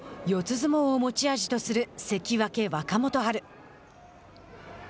相撲を持ち味とする関脇・若元春。